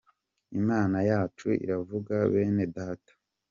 Imana yacu iravuga bene Data!.